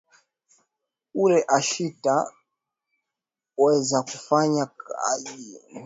Ule ashita weza kufanya kaji ya mashamba mushi mupe byakuria